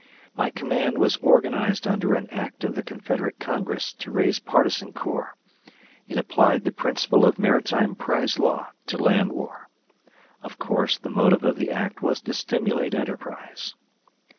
My command was organized under an act of the Confederate Congress to raise partisan corps; it applied the principle of maritime prize law to land war. Of course, the motive of the act was to stimulate enterprise.